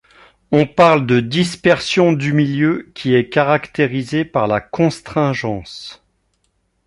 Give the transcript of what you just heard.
On parle de dispersion du milieu qui est caractérisée par la constringence.